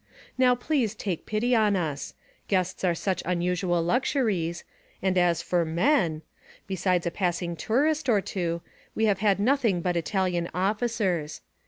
Now please take pity on us guests are such unusual luxuries, and as for men! Besides a passing tourist or so, we have had nothing but Italian officers.